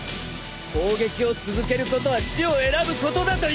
攻撃を続けることは死を選ぶことだということが！